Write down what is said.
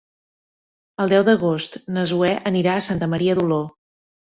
El deu d'agost na Zoè anirà a Santa Maria d'Oló.